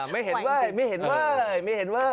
ไม่เห็นเว้ยนี่